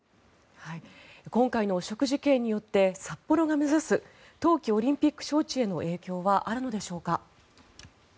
今回の汚職事件によって札幌が目指す冬季オリンピック招致への影響はあるのでしょうか。